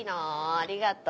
ありがとう。